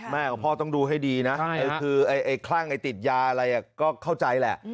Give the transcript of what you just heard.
แม่กับพ่อต้องดูให้ดีนะคลั่งติดยาอะไรก็เข้าใจแหละ